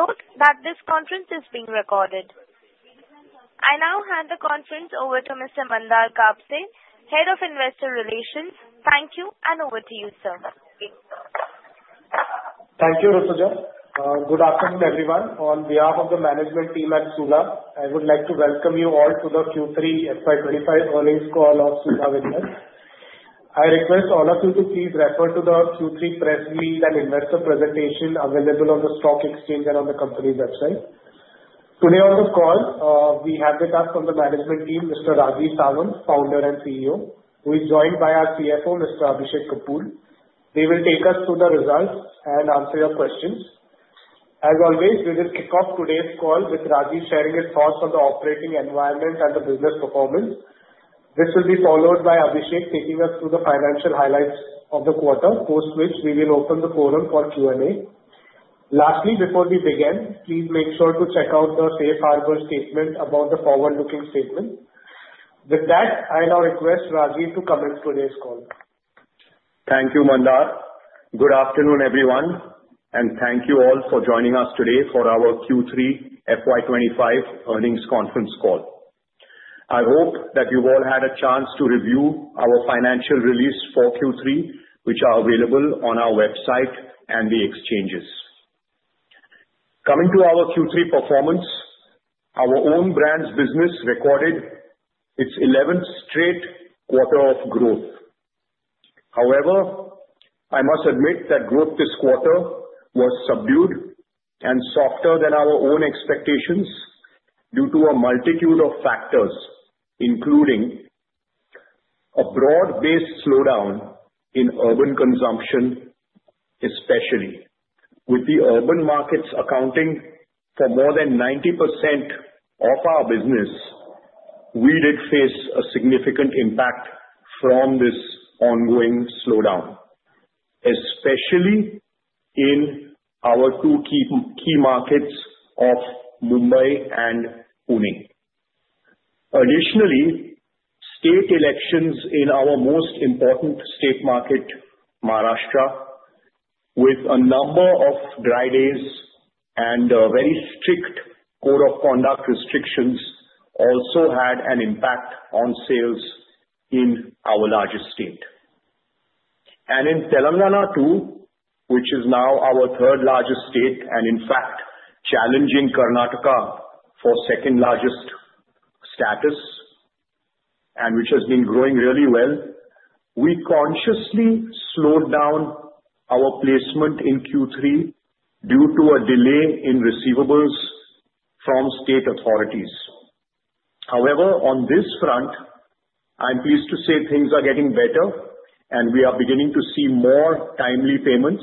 Please note that this conference is being recorded. I now hand the conference over to Mr. Mandar Kapse, Head of Investor Relations. Thank you, and over to you, sir. Thank you, Rutuja. Good afternoon, everyone. On behalf of the management team at Sula, I would like to welcome you all to the Q3 FY25 earnings call of Sula Vineyards. I request all of you to please refer to the Q3 press release and investor presentation available on the stock exchange and on the company's website. Today on the call, we have with us from the management team, Mr. Rajeev Samant, Founder and CEO, who is joined by our CFO, Mr. Abhishek Kapoor. They will take us through the results and answer your questions. As always, we will kick off today's call with Rajeev sharing his thoughts on the operating environment and the business performance. This will be followed by Abhishek taking us through the financial highlights of the quarter, post which we will open the forum for Q&A. Lastly, before we begin, please make sure to check out the Safe Harbor statement about the forward-looking statement. With that, I now request Rajeev to comment today's call. Thank you, Mandar. Good afternoon, everyone, and thank you all for joining us today for our Q3 FY25 earnings conference call. I hope that you've all had a chance to review our financial release for Q3, which are available on our website and the exchanges. Coming to our Q3 performance, our own brand's business recorded its 11th straight quarter of growth. However, I must admit that growth this quarter was subdued and softer than our own expectations due to a multitude of factors, including a broad-based slowdown in urban consumption, especially. With the urban markets accounting for more than 90% of our business, we did face a significant impact from this ongoing slowdown, especially in our two key markets of Mumbai and Pune. Additionally, state elections in our most important state market, Maharashtra, with a number of dry days and a very strict code of conduct restrictions, also had an impact on sales in our largest state. And in Telangana too, which is now our third largest state and, in fact, challenging Karnataka for second-largest status, and which has been growing really well, we consciously slowed down our placement in Q3 due to a delay in receivables from state authorities. However, on this front, I'm pleased to say things are getting better, and we are beginning to see more timely payments.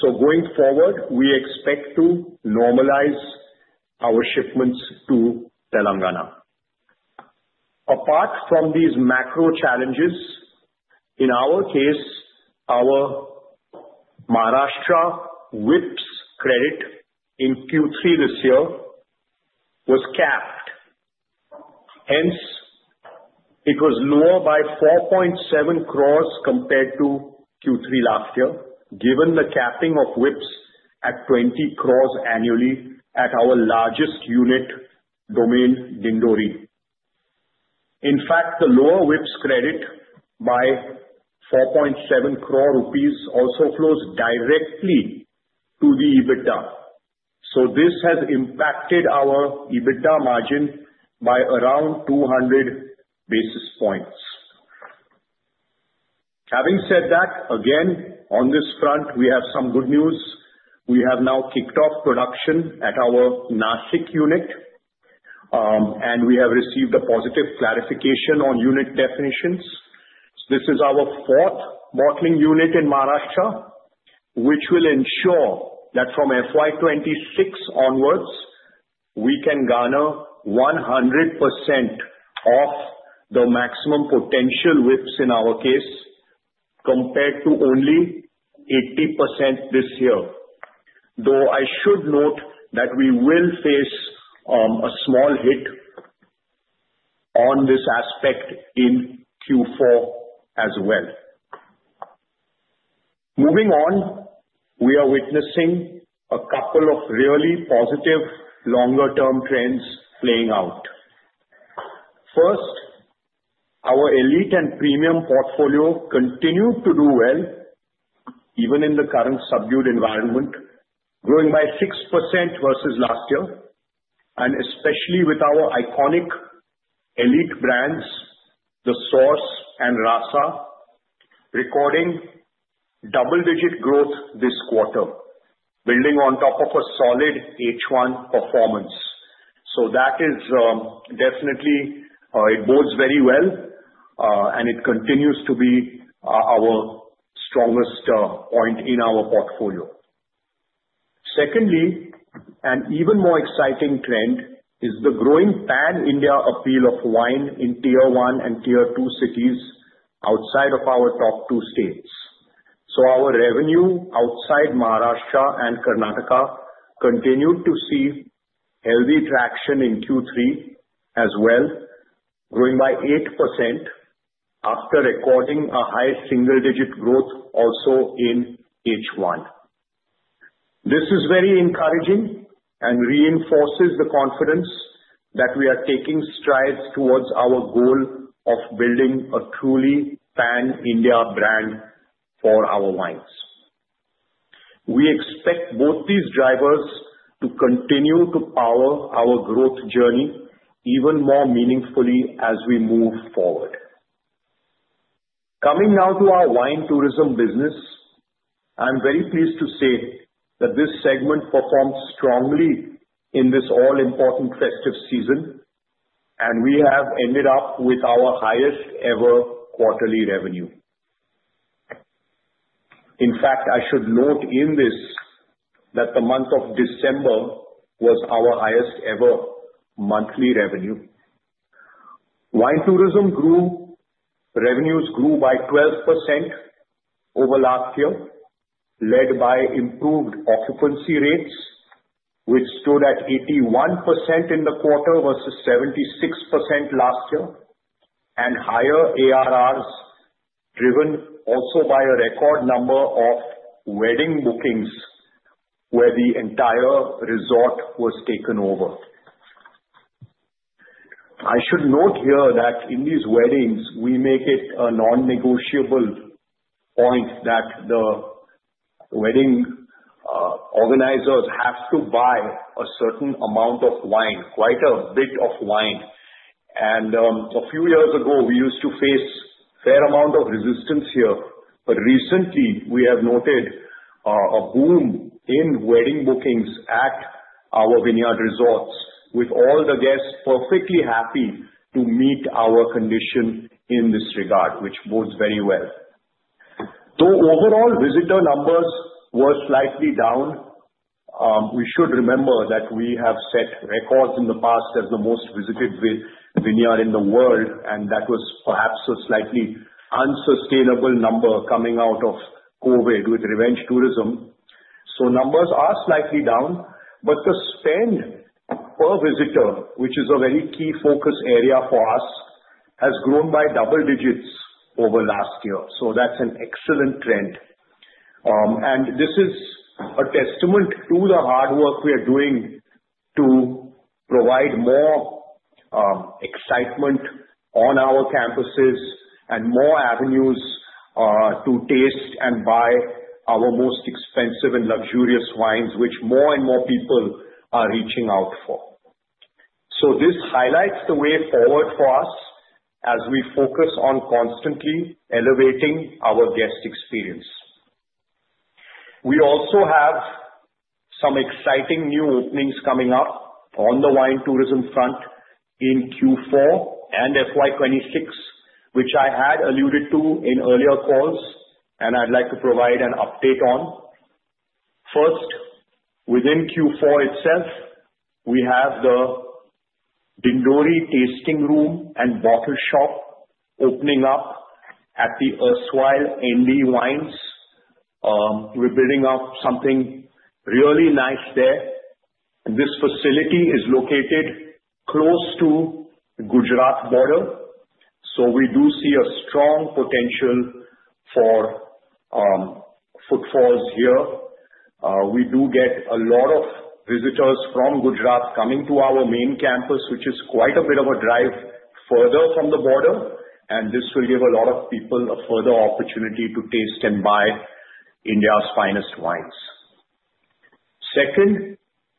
So going forward, we expect to normalize our shipments to Telangana. Apart from these macro challenges, in our case, our Maharashtra WIPS credit in Q3 this year was capped. Hence, it was lower by 4.7 crore compared to Q3 last year, given the capping of WIPS at 20 crore annually at our largest unit, Domaine Dindori. In fact, the lower WIPS credit by 4.7 crore rupees also flows directly to the EBITDA. So this has impacted our EBITDA margin by around 200 basis points. Having said that, again, on this front, we have some good news. We have now kicked off production at our Nashik unit, and we have received a positive clarification on unit definitions. This is our fourth bottling unit in Maharashtra, which will ensure that from FY26 onwards, we can garner 100% of the maximum potential WIPS in our case compared to only 80% this year. Though I should note that we will face a small hit on this aspect in Q4 as well. Moving on, we are witnessing a couple of really positive longer-term trends playing out. First, our elite and premium portfolio continue to do well, even in the current subdued environment, growing by 6% versus last year. Especially with our iconic elite brands, The Source and Rasa, recording double-digit growth this quarter, building on top of a solid H1 performance. That is definitely it bodes very well, and it continues to be our strongest point in our portfolio. Secondly, an even more exciting trend is the growing Pan-India appeal of wine in Tier 1 and Tier 2 cities outside of our top two states. Our revenue outside Maharashtra and Karnataka continued to see healthy traction in Q3 as well, growing by 8% after recording a high single-digit growth also in H1. This is very encouraging and reinforces the confidence that we are taking strides towards our goal of building a truly Pan-India brand for our wines. We expect both these drivers to continue to power our growth journey even more meaningfully as we move forward. Coming now to our wine tourism business, I'm very pleased to say that this segment performed strongly in this all-important festive season, and we have ended up with our highest-ever quarterly revenue. In fact, I should note in this that the month of December was our highest-ever monthly revenue. Wine tourism revenues grew by 12% over last year, led by improved occupancy rates, which stood at 81% in the quarter versus 76% last year, and higher ARRs driven also by a record number of wedding bookings where the entire resort was taken over. I should note here that in these weddings, we make it a non-negotiable point that the wedding organizers have to buy a certain amount of wine, quite a bit of wine. A few years ago, we used to face a fair amount of resistance here, but recently, we have noted a boom in wedding bookings at our vineyard resorts, with all the guests perfectly happy to meet our condition in this regard, which bodes very well. Though overall visitor numbers were slightly down, we should remember that we have set records in the past as the most visited vineyard in the world, and that was perhaps a slightly unsustainable number coming out of COVID with revenge tourism. Numbers are slightly down, but the spend per visitor, which is a very key focus area for us, has grown by double digits over last year. That's an excellent trend. This is a testament to the hard work we are doing to provide more excitement on our campuses and more avenues to taste and buy our most expensive and luxurious wines, which more and more people are reaching out for. So this highlights the way forward for us as we focus on constantly elevating our guest experience. We also have some exciting new openings coming up on the wine tourism front in Q4 and FY26, which I had alluded to in earlier calls, and I'd like to provide an update on. First, within Q4 itself, we have the Dindori Tasting Room and Bottle Shop opening up at the Aswali ND Wines. We're building up something really nice there. This facility is located close to the Gujarat border, so we do see a strong potential for footfalls here. We do get a lot of visitors from Gujarat coming to our main campus, which is quite a bit of a drive further from the border, and this will give a lot of people a further opportunity to taste and buy India's finest wines. Second,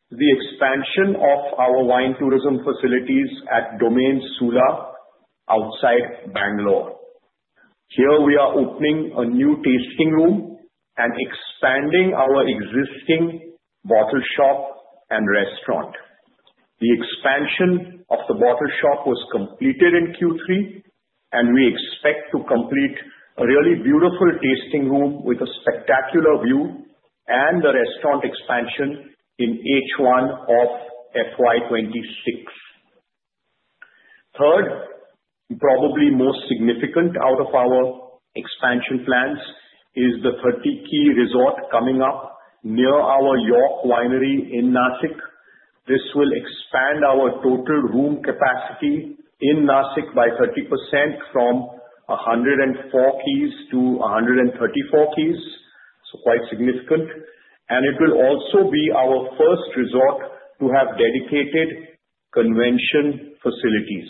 the expansion of our wine tourism facilities at Domaine Sula outside Bangalore. Here, we are opening a new tasting room and expanding our existing bottle shop and restaurant. The expansion of the bottle shop was completed in Q3, and we expect to complete a really beautiful tasting room with a spectacular view and the restaurant expansion in H1 of FY26. Third, probably most significant out of our expansion plans is the 30-key resort coming up near our York Winery in Nashik. This will expand our total room capacity in Nashik by 30%, from 104 keys to 134 keys. So quite significant. It will also be our first resort to have dedicated convention facilities,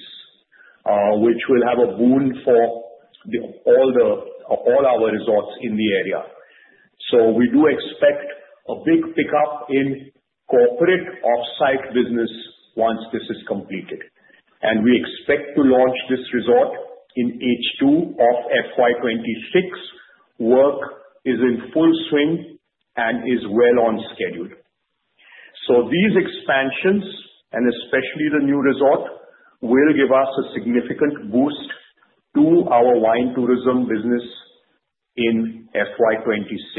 which will have a boon for all our resorts in the area. So we do expect a big pickup in corporate off-site business once this is completed. And we expect to launch this resort in H2 of FY26. Work is in full swing and is well on schedule. So these expansions, and especially the new resort, will give us a significant boost to our wine tourism business in FY26.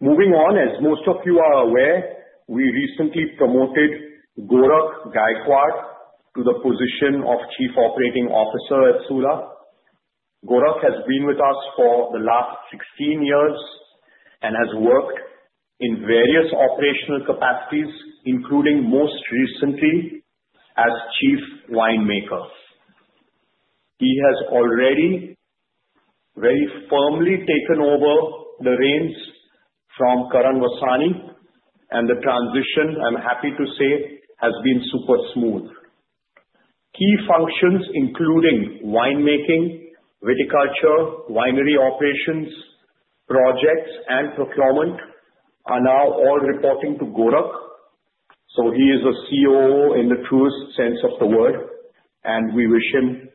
Moving on, as most of you are aware, we recently promoted Gorakh Gaikwad to the position of Chief Operating Officer at Sula. Gorakh has been with us for the last 16 years and has worked in various operational capacities, including most recently as Chief Winemaker. He has already very firmly taken over the reins from Karan Vasani, and the transition, I'm happy to say, has been super smooth. Key functions, including winemaking, viticulture, winery operations, projects, and procurement, are now all reporting to Gorakh. So he is a COO in the truest sense of the word, and we wish him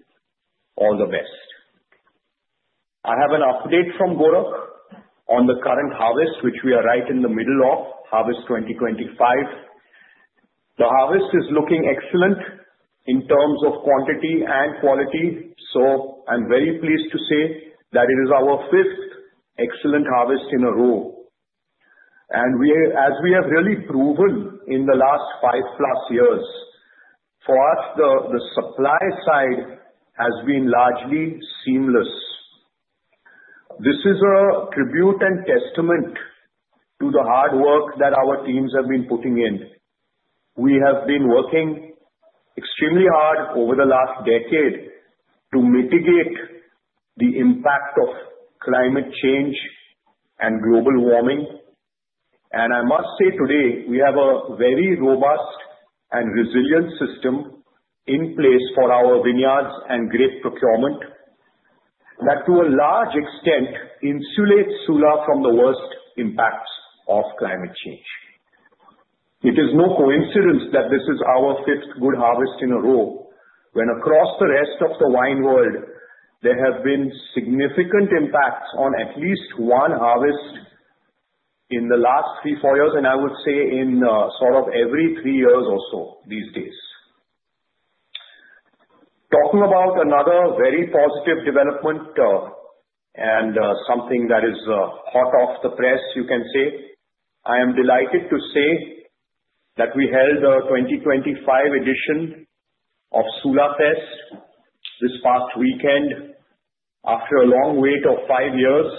all the best. I have an update from Gorakh on the current harvest, which we are right in the middle of, Harvest 2025. The harvest is looking excellent in terms of quantity and quality, so I'm very pleased to say that it is our fifth excellent harvest in a row. As we have really proven in the last 5+ years, for us, the supply side has been largely seamless. This is a tribute and testament to the hard work that our teams have been putting in. We have been working extremely hard over the last decade to mitigate the impact of climate change and global warming. I must say today, we have a very robust and resilient system in place for our vineyards and grape procurement that, to a large extent, insulates Sula from the worst impacts of climate change. It is no coincidence that this is our fifth good harvest in a row, when across the rest of the wine world, there have been significant impacts on at least one harvest in the last three or four years, and I would say in sort of every three years or so these days. Talking about another very positive development and something that is hot off the press, you can say, I am delighted to say that we held the 2025 edition of SulaFest this past weekend after a long wait of five years.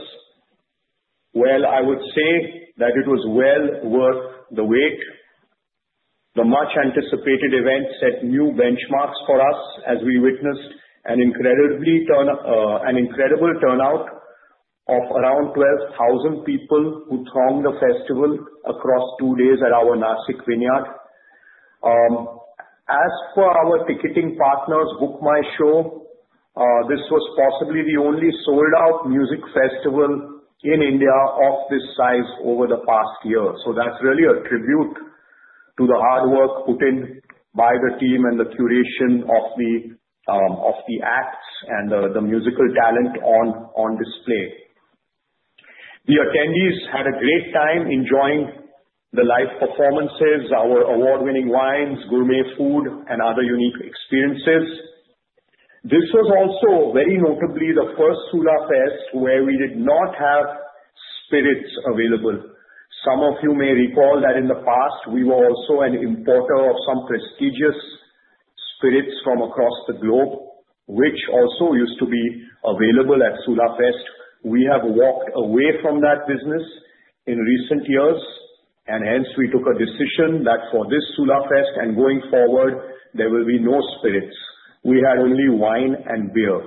Well, I would say that it was well worth the wait. The much-anticipated event set new benchmarks for us as we witnessed an incredible turnout of around 12,000 people who thronged the festival across two days at our Nashik vineyard. As for our ticketing partners, BookMyShow, this was possibly the only sold-out music festival in India of this size over the past year. So that's really a tribute to the hard work put in by the team and the curation of the acts and the musical talent on display. The attendees had a great time enjoying the live performances, our award-winning wines, gourmet food, and other unique experiences. This was also, very notably, the first SulaFest where we did not have spirits available. Some of you may recall that in the past, we were also an importer of some prestigious spirits from across the globe, which also used to be available at SulaFest. We have walked away from that business in recent years, and hence, we took a decision that for this SulaFest and going forward, there will be no spirits. We had only wine and beer.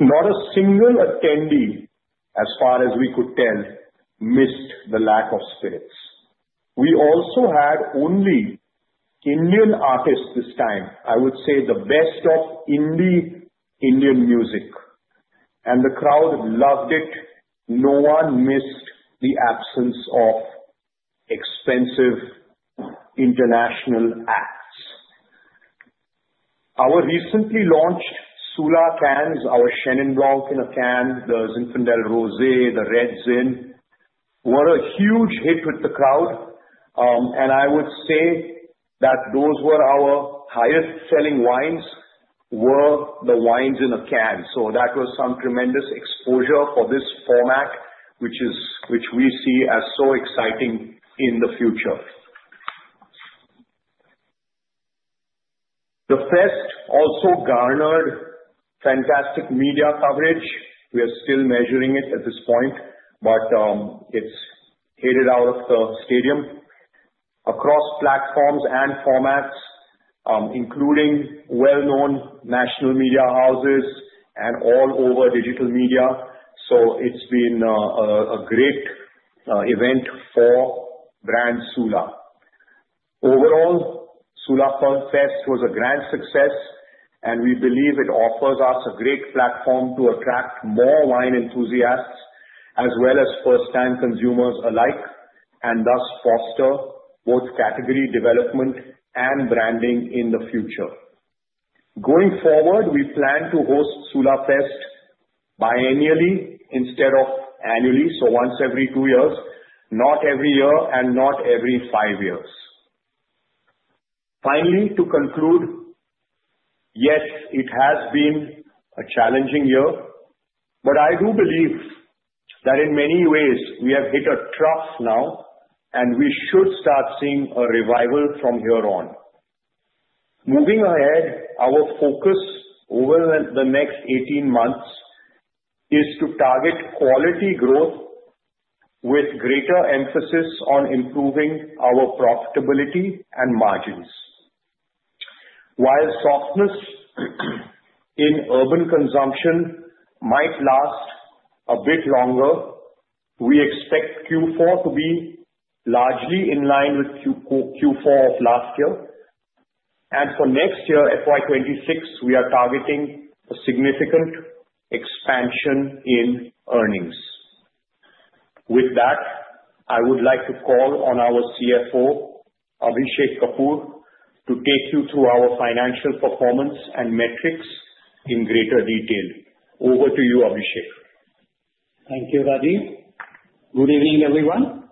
Not a single attendee, as far as we could tell, missed the lack of spirits. We also had only Indian artists this time, I would say the best of indie Indian music, and the crowd loved it. No one missed the absence of expensive international acts. Our recently launched Sula cans, our Chenin Blanc in a can, the Zinfandel Rosé, the Red Zin, were a huge hit with the crowd. And I would say that those were our highest-selling wines, were the wines in a can. So that was some tremendous exposure for this format, which we see as so exciting in the future. The fest also garnered fantastic media coverage. We are still measuring it at this point, but it's headed out of the stadium across platforms and formats, including well-known national media houses and all over digital media. So it's been a great event for brand Sula. Overall, SulaFest was a grand success, and we believe it offers us a great platform to attract more wine enthusiasts as well as first-time consumers alike and thus foster both category development and branding in the future. Going forward, we plan to host SulaFest biennially instead of annually, so once every two years, not every year, and not every five years. Finally, to conclude, yes, it has been a challenging year, but I do believe that in many ways, we have hit a trough now, and we should start seeing a revival from here on. Moving ahead, our focus over the next 18 months is to target quality growth with greater emphasis on improving our profitability and margins. While softness in urban consumption might last a bit longer, we expect Q4 to be largely in line with Q4 of last year. For next year, FY26, we are targeting a significant expansion in earnings. With that, I would like to call on our CFO, Abhishek Kapoor, to take you through our financial performance and metrics in greater detail. Over to you, Abhishek. Thank you, Rajeev. Good evening, everyone.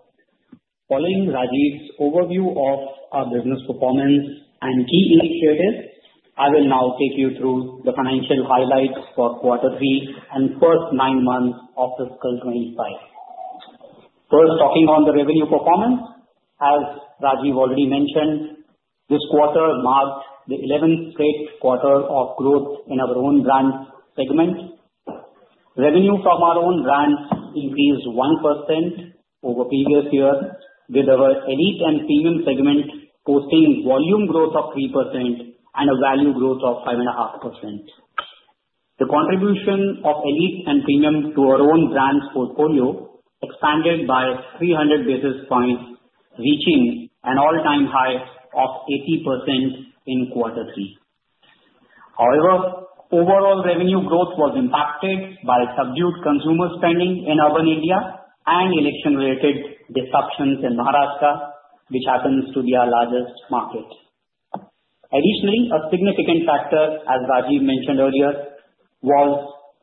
Following Rajeev's overview of our business performance and key initiatives, I will now take you through the financial highlights for quarter three and first nine months of fiscal 25. First, talking on the revenue performance. As Rajeev already mentioned, this quarter marked the 11th straight quarter of growth in our own brand segment. Revenue from our own brands increased 1% over previous year, with our elite and premium segment posting volume growth of 3% and a value growth of 5.5%. The contribution of elite and premium to our own brand's portfolio expanded by 300 basis points, reaching an all-time high of 80% in quarter three. However, overall revenue growth was impacted by subdued consumer spending in urban India and election-related disruptions in Maharashtra, which happens to be our largest market. Additionally, a significant factor, as Rajeev mentioned earlier, was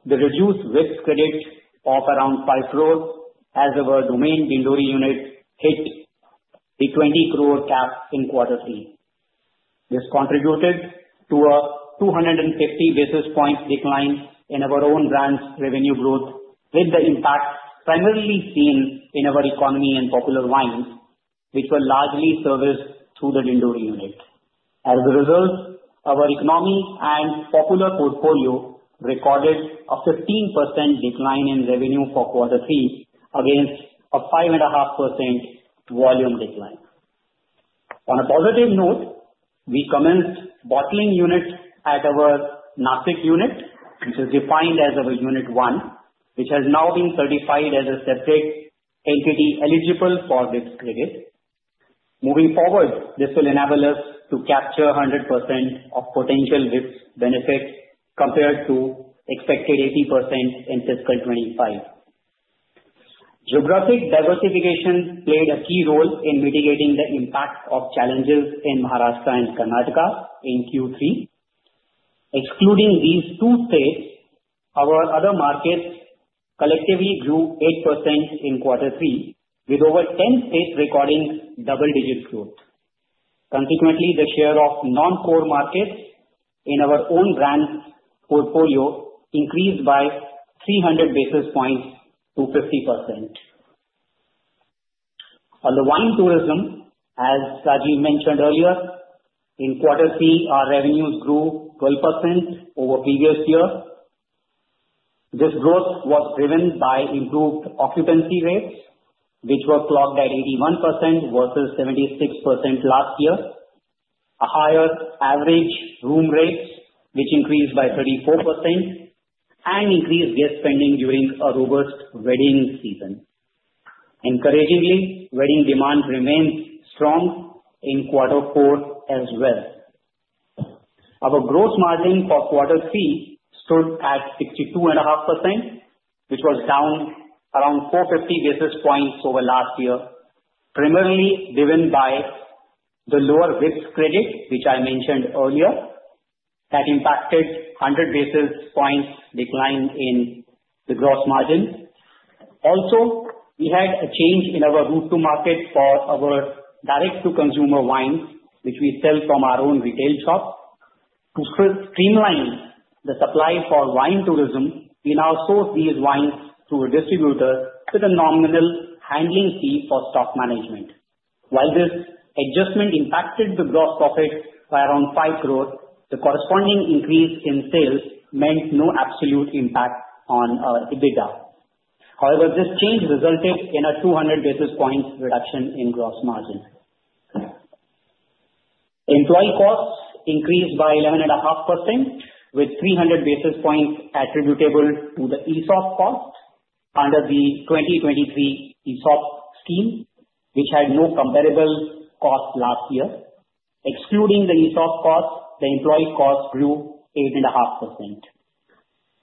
the reduced WIPS of around 5 crore as our Domaine Dindori unit hit the 20-crore cap in quarter three. This contributed to a 250 basis points decline in our own brand's revenue growth, with the impact primarily seen in our economy and popular wines, which were largely serviced through the Dindori unit. As a result, our economy and popular portfolio recorded a 15% decline in revenue for quarter three against a 5.5% volume decline. On a positive note, we commenced bottling units at our Nashik unit, which is defined as our unit one, which has now been certified as a separate entity eligible for WIPS. Moving forward, this will enable us to capture 100% of potential WIPS benefits compared to expected 80% in fiscal 2025. Geographic diversification played a key role in mitigating the impact of challenges in Maharashtra and Karnataka in Q3. Excluding these two states, our other markets collectively grew 8% in quarter three, with over 10 states recording double-digit growth. Consequently, the share of non-core markets in our own brand's portfolio increased by 300 basis points to 50%. On the wine tourism, as Rajeev mentioned earlier, in quarter three, our revenues grew 12% over previous year. This growth was driven by improved occupancy rates, which were clocked at 81% versus 76% last year, a higher average room rates, which increased by 34%, and increased guest spending during a robust wedding season. Encouragingly, wedding demand remains strong in quarter four as well. Our gross margin for quarter three stood at 62.5%, which was down around 450 basis points over last year, primarily driven by the lower WIPS, which I mentioned earlier, that impacted 100 basis points decline in the gross margin. Also, we had a change in our route to market for our direct-to-consumer wines, which we sell from our own retail shop. To streamline the supply for wine tourism, we now source these wines through a distributor with a nominal handling fee for stock management. While this adjustment impacted the gross profit by around 5 crore, the corresponding increase in sales meant no absolute impact on EBITDA. However, this change resulted in a 200 basis points reduction in gross margin. Employee costs increased by 11.5%, with 300 basis points attributable to the ESOP cost under the 2023 ESOP scheme, which had no comparable cost last year. Excluding the ESOP cost, the employee cost grew 8.5%.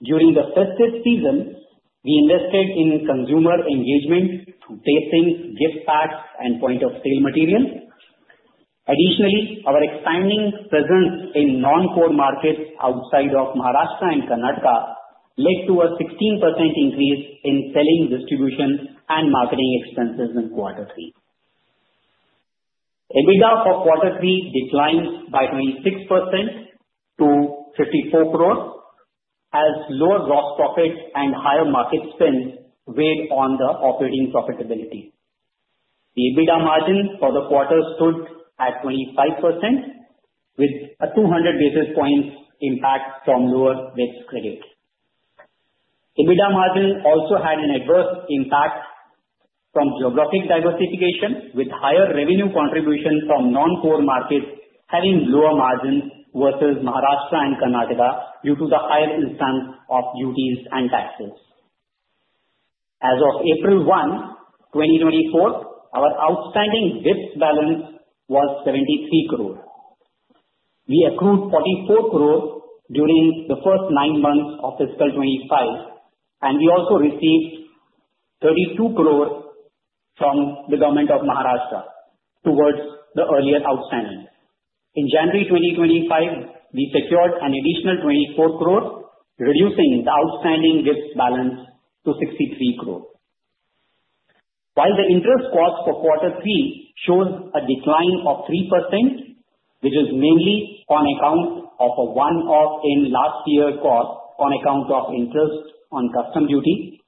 During the festive season, we invested in consumer engagement through tastings, gift packs, and point-of-sale materials. Additionally, our expanding presence in non-core markets outside of Maharashtra and Karnataka led to a 16% increase in selling, distribution, and marketing expenses in quarter three. EBITDA for quarter three declined by 26% to 54 crore as lower gross profit and higher market spend weighed on the operating profitability. The EBITDA margin for the quarter stood at 25%, with a 200 basis points impact from lower WIPS. EBITDA margin also had an adverse impact from geographic diversification, with higher revenue contribution from non-core markets having lower margins versus Maharashtra and Karnataka due to the higher instance of duties and taxes. As of April 1, 2024, our outstanding debt balance was 73 crore. We accrued 44 crore during the first nine months of fiscal 2025, and we also received 32 crore from the government of Maharashtra towards the earlier outstanding. In January 2025, we secured an additional 24 crore, reducing the outstanding debt balance to 63 crore. While the interest cost for quarter three shows a decline of 3%, which is mainly on account of a one-off in last year cost on account of interest on custom duty,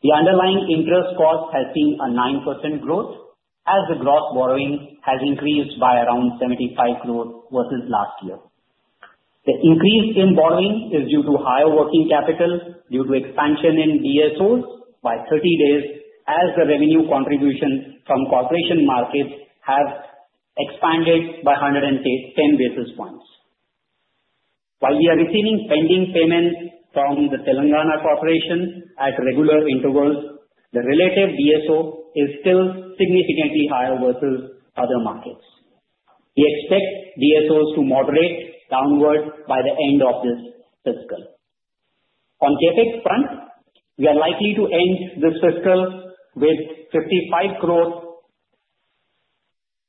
the underlying interest cost has seen a 9% growth as the gross borrowing has increased by around 75 crore versus last year. The increase in borrowing is due to higher working capital due to expansion in DSOs by 30 days as the revenue contribution from corporation markets has expanded by 110 basis points. While we are receiving pending payments from the Telangana Corporation at regular intervals, the relative DSO is still significantly higher versus other markets. We expect DSOs to moderate downward by the end of this fiscal. On CapEx front, we are likely to end this fiscal with 55 crore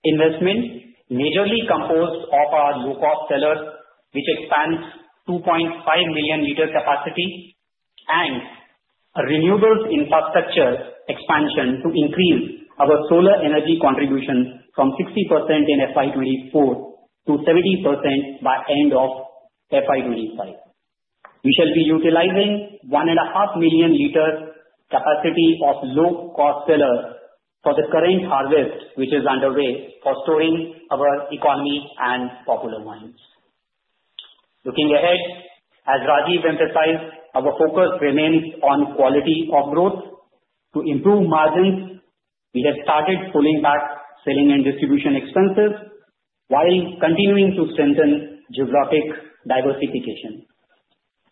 investment, majorly composed of our low-cost cellars, which expands 2.5 million liter capacity, and a renewables infrastructure expansion to increase our solar energy contribution from 60% in FY2024 to 70% by end of FY2025. We shall be utilizing 1.5 million liter capacity of low-cost cellars for the current harvest, which is underway, for storing our economy and popular wines. Looking ahead, as Rajeev emphasized, our focus remains on quality of growth. To improve margins, we have started pulling back selling and distribution expenses while continuing to strengthen geographic diversification.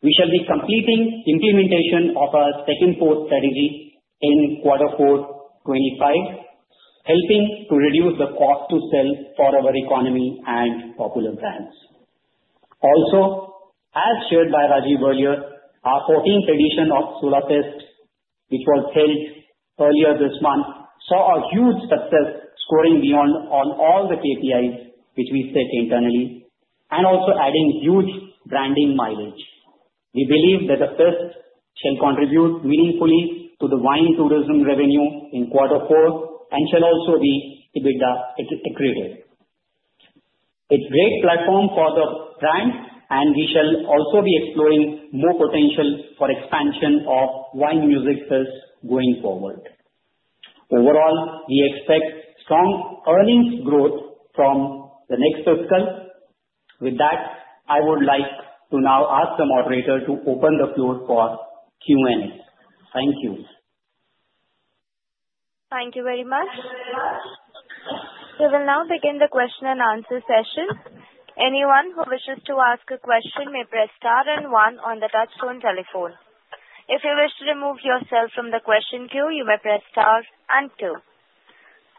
We shall be completing implementation of our second-quarter strategy in quarter 4 2025, helping to reduce the cost to sell for our economy and popular brands. Also, as shared by Rajeev earlier, our 14th edition of SulaFest, which was held earlier this month, saw a huge success scoring beyond on all the KPIs, which we set internally, and also adding huge branding mileage. We believe that the fest shall contribute meaningfully to the wine tourism revenue in quarter four and shall also be EBITDA accretive. It's a great platform for the brand, and we shall also be exploring more potential for expansion of wine music fests going forward. Overall, we expect strong earnings growth from the next fiscal. With that, I would like to now ask the moderator to open the floor for Q&A. Thank you. Thank you very much. We will now begin the question-and-answer session. Anyone who wishes to ask a question may press star and one on the touch-tone telephone. If you wish to remove yourself from the question queue, you may press star and two.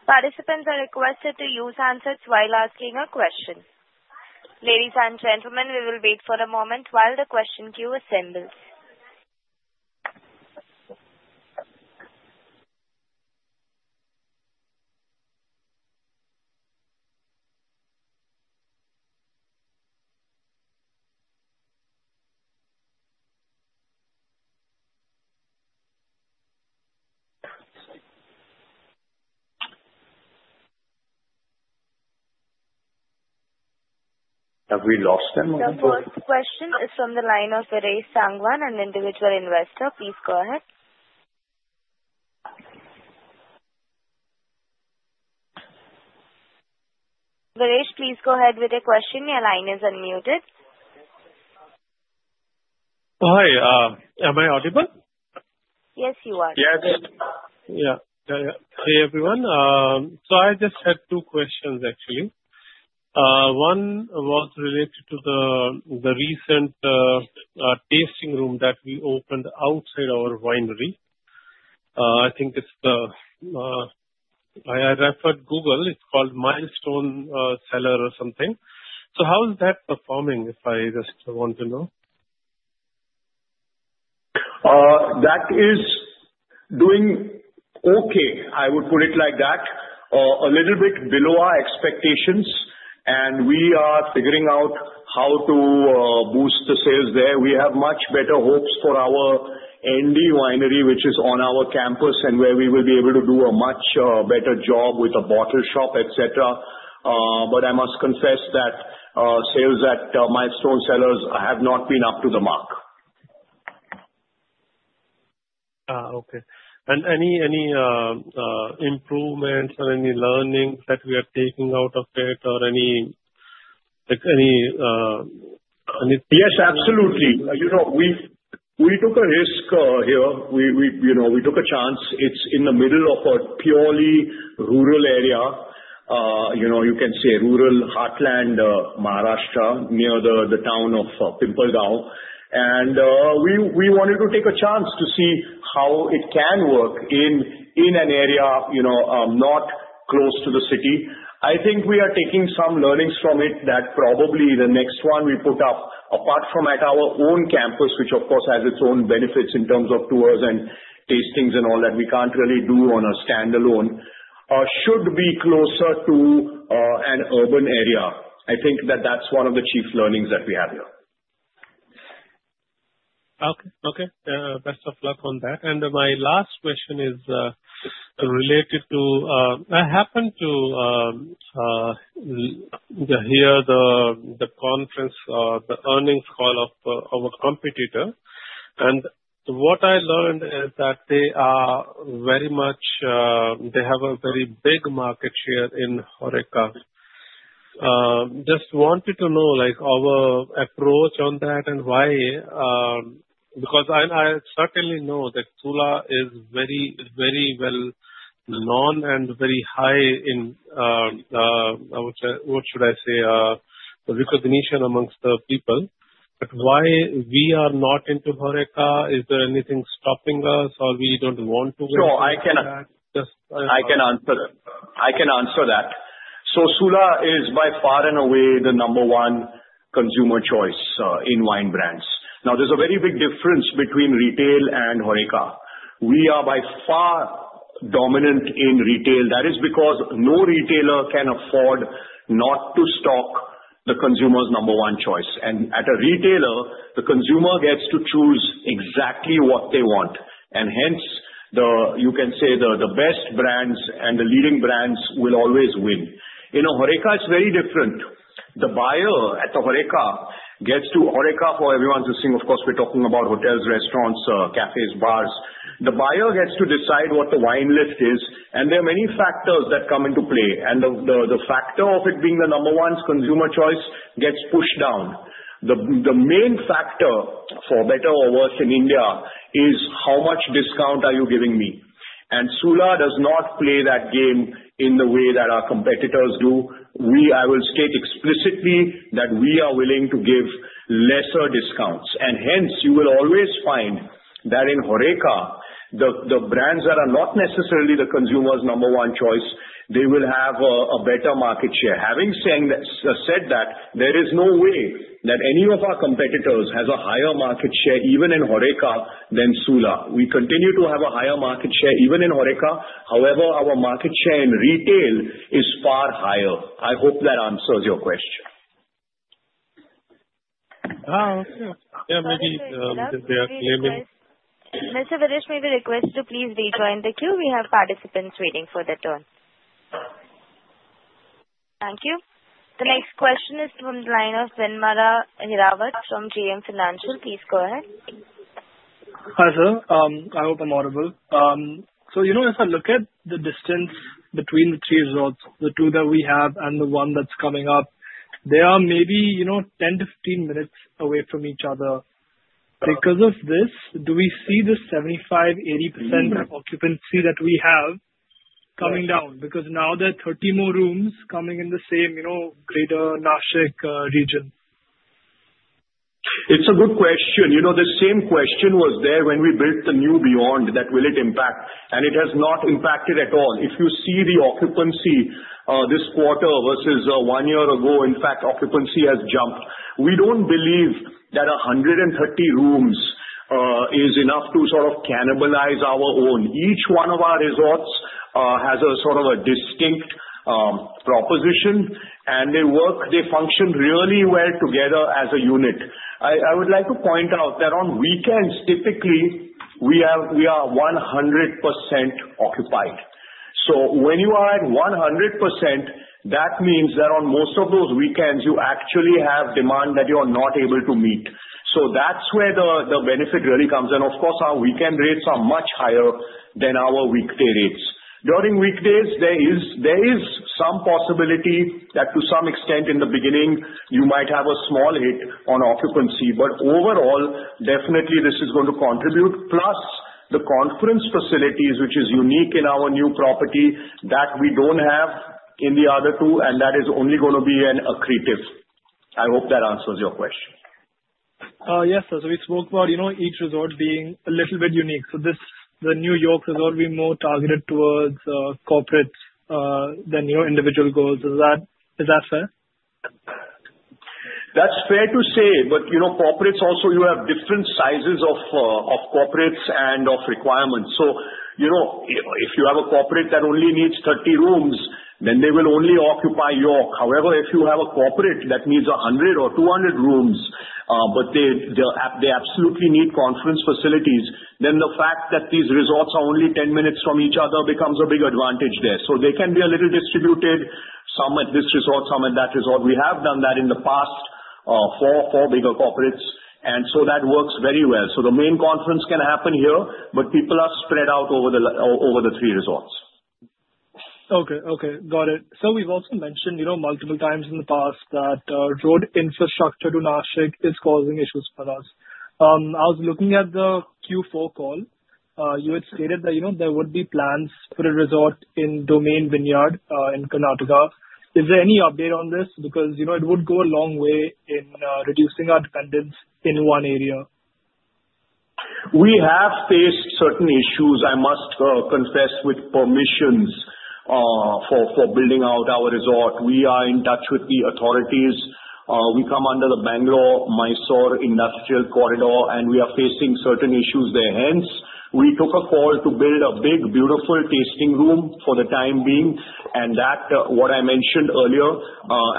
Participants are requested to use handsets while asking a question. Ladies and gentlemen, we will wait for a moment while the question queue assembles. Have we lost them? The first question is from the line of Varesh Sangwan, an individual investor. Please go ahead. Varesh, please go ahead with your question. Your line is unmuted. Hi. Am I audible? Yes, you are. Yeah. Yeah. Yeah. Hey, everyone. So I just had two questions, actually. One was related to the recent tasting room that we opened outside our winery. I think it's the one I referred to Google. It's called Milestone Cellars or something. So how is that performing? I just want to know. That is doing okay, I would put it like that, a little bit below our expectations, and we are figuring out how to boost the sales there. We have much better hopes for our ND winery, which is on our campus and where we will be able to do a much better job with a bottle shop, etc. But I must confess that sales at Milestone Cellars have not been up to the mark. Okay. And any improvements or any learning that we are taking out of it or any? Yes, absolutely. We took a risk here. We took a chance. It's in the middle of a purely rural area. You can say rural heartland Maharashtra near the town of Pimpalgaon. We wanted to take a chance to see how it can work in an area not close to the city. I think we are taking some learnings from it that probably the next one we put up, apart from at our own campus, which, of course, has its own benefits in terms of tours and tastings and all that we can't really do on a standalone, should be closer to an urban area. I think that that's one of the chief learnings that we have here. Okay. Okay. Best of luck on that. And my last question is related to I happened to hear the conference, the earnings call of our competitor. And what I learned is that they are very much they have a very big market share in HoReCa. Just wanted to know our approach on that and why because I certainly know that Sula is very, very well-known and very high in, I would say, recognition amongst the people. But why we are not into HoReCa, is there anything stopping us or we don't want to go into that? I can. I can answer that. I can answer that. Sula is, by far and away, the number one consumer choice in wine brands. Now, there's a very big difference between retail and HoReCa. We are, by far, dominant in retail. That is because no retailer can afford not to stock the consumer's number one choice. At a retailer, the consumer gets to choose exactly what they want. Hence, you can say the best brands and the leading brands will always win. In a HoReCa, it's very different. The buyer at the HoReCa gets to HoReCa for everyone's listening. Of course, we're talking about hotels, restaurants, cafés, bars. The buyer gets to decide what the wine list is, and there are many factors that come into play. The factor of it being the number one consumer choice gets pushed down. The main factor, for better or worse in India, is how much discount are you giving me? Sula does not play that game in the way that our competitors do. I will state explicitly that we are willing to give lesser discounts. Hence, you will always find that in HoReCa, the brands that are not necessarily the consumer's number one choice, they will have a better market share. Having said that, there is no way that any of our competitors has a higher market share, even in HoReCa, than Sula. We continue to have a higher market share, even in HoReCa. However, our market share in retail is far higher. I hope that answers your question. Yeah. Maybe they are claiming. Mr. Varesh, may we request to please rejoin the queue? We have participants waiting for their turn. Thank you. The next question is from the line of Vinamra Hirawat from JM Financial. Please go ahead. Hi, sir. I hope I'm audible. So if I look at the distance between the three resorts, the two that we have and the one that's coming up, they are maybe 10-15 minutes away from each other. Because of this, do we see the 75%-80% occupancy that we have coming down? Because now there are 30 more rooms coming in the same greater Nashik region. It's a good question. The same question was there when we built the new Beyond, that will it impact? It has not impacted at all. If you see the occupancy this quarter versus one year ago, in fact, occupancy has jumped. We don't believe that 130 rooms is enough to sort of cannibalize our own. Each one of our resorts has sort of a distinct proposition, and they function really well together as a unit. I would like to point out that on weekends, typically, we are 100% occupied. So when you are at 100%, that means that on most of those weekends, you actually have demand that you are not able to meet. That's where the benefit really comes. And of course, our weekend rates are much higher than our weekday rates. During weekdays, there is some possibility that, to some extent, in the beginning, you might have a small hit on occupancy. But overall, definitely, this is going to contribute. Plus, the conference facilities, which is unique in our new property, that we don't have in the other two, and that is only going to be an accretive. I hope that answers your question. Yes, sir. We spoke about each resort being a little bit unique. The York resort, we're more targeted towards corporates than individual guests. Is that fair? That's fair to say. But corporates also, you have different sizes of corporates and of requirements. So if you have a corporate that only needs 30 rooms, then they will only occupy York. However, if you have a corporate that needs 100 or 200 rooms, but they absolutely need conference facilities, then the fact that these resorts are only 10 minutes from each other becomes a big advantage there. So they can be a little distributed, some at this resort, some at that resort. We have done that in the past, four bigger corporates. And so that works very well. So the main conference can happen here, but people are spread out over the three resorts. Okay. Okay. Got it. So we've also mentioned multiple times in the past that road infrastructure to Nashik is causing issues for us. I was looking at the Q4 call. You had stated that there would be plans for a resort in Domaine Sula in Karnataka. Is there any update on this? Because it would go a long way in reducing our dependence in one area. We have faced certain issues, I must confess, with permissions for building out our resort. We are in touch with the authorities. We come under the Bangalore-Mysore Industrial Corridor, and we are facing certain issues there. Hence, we took a call to build a big, beautiful tasting room for the time being, and that, what I mentioned earlier,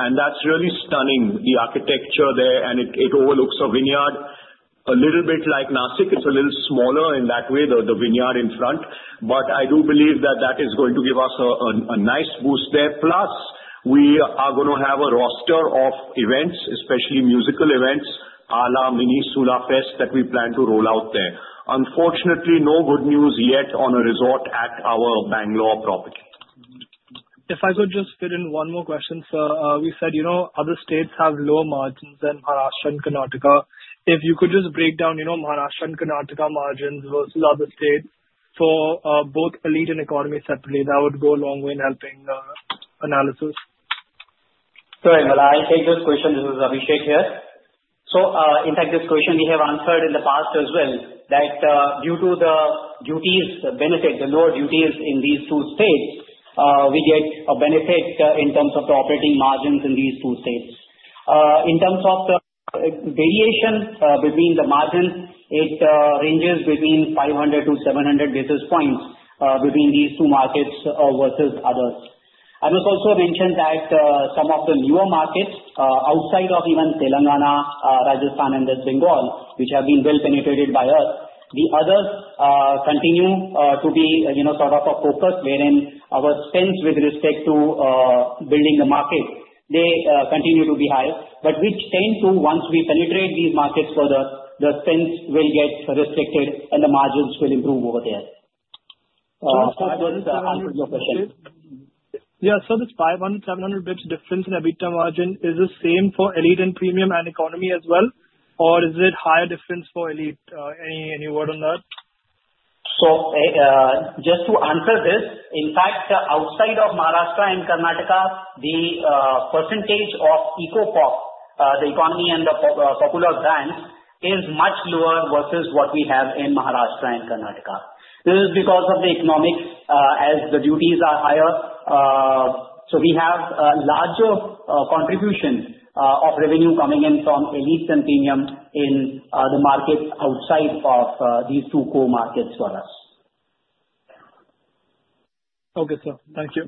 and that's really stunning, the architecture there, and it overlooks a vineyard a little bit like Nashik. It's a little smaller in that way, the vineyard in front. But I do believe that that is going to give us a nice boost there. Plus, we are going to have a roster of events, especially musical events, à la mini SulaFest that we plan to roll out there. Unfortunately, no good news yet on a resort at our Bangalore property. If I could just fit in one more question, sir. We said other states have lower margins than Maharashtra and Karnataka. If you could just break down Maharashtra and Karnataka margins versus other states for both elite and economy separately, that would go a long way in helping the analysis. Sorry, I take this question. This is Abhishek here. So in fact, this question we have answered in the past as well, that due to the duties, the benefit, the lower duties in these two states, we get a benefit in terms of the operating margins in these two states. In terms of the variation between the margins, it ranges between 500-700 basis points between these two markets versus others. I must also mention that some of the newer markets outside of even Telangana, Rajasthan, and Bengal, which have been well penetrated by us, the others continue to be sort of a focus wherein our spends with respect to building the market, they continue to be high. But we tend to, once we penetrate these markets further, the spends will get restricted and the margins will improve over there. So that answers your question. Yeah. So this 500-700 basis points difference in EBITDA margin, is the same for elite and premium and economy as well, or is it higher difference for elite? Any word on that? Just to answer this, in fact, outside of Maharashtra and Karnataka, the percentage of economy, popular, the economy and the popular brands, is much lower versus what we have in Maharashtra and Karnataka. This is because of the economics, as the duties are higher. We have a larger contribution of revenue coming in from elite and premium in the market outside of these two core markets for us. Okay, sir. Thank you.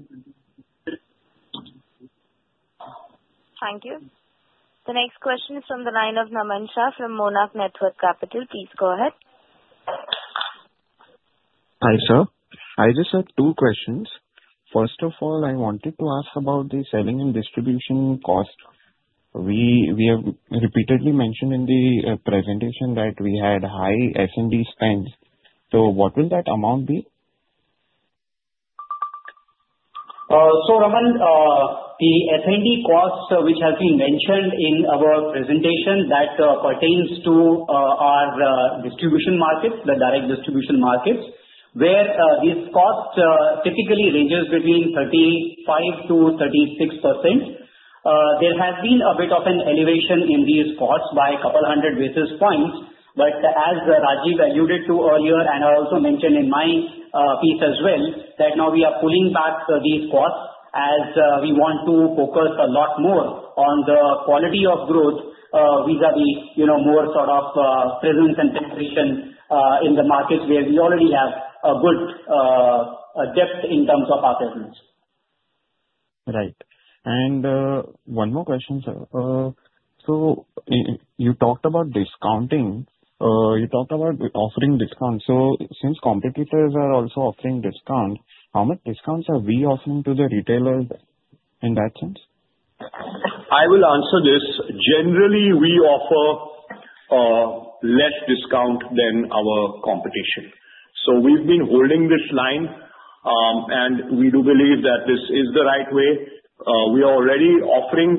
Thank you. The next question is from the line of Naman Shah from Monarch Networth Capital. Please go ahead. Hi, sir. I just had two questions. First of all, I wanted to ask about the selling and distribution cost. We have repeatedly mentioned in the presentation that we had high S&D spends. So what will that amount be? So Naman, the S&D cost, which has been mentioned in our presentation, that pertains to our distribution markets, the direct distribution markets, where this cost typically ranges between 35%-36%. There has been a bit of an elevation in these costs by a couple hundred basis points. But as Rajeev alluded to earlier, and I also mentioned in my piece as well, that now we are pulling back these costs as we want to focus a lot more on the quality of growth vis-à-vis more sort of presence and penetration in the markets where we already have a good depth in terms of our presence. Right. One more question, sir. You talked about discounting. You talked about offering discounts. Since competitors are also offering discounts, how much discounts are we offering to the retailers in that sense? I will answer this. Generally, we offer less discount than our competition. So we've been holding this line, and we do believe that this is the right way. We are already offering